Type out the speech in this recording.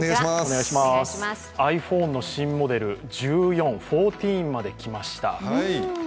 ｉＰｈｏｎｅの新モデル、１４まできました。